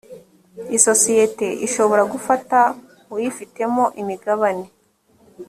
isosiyete ishobora gufata uyifitemo imigabane.